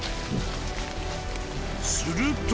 ［すると］